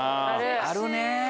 あるねぇ！